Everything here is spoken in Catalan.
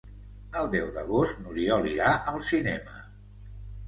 El deu d'agost n'Oriol irà al cinema.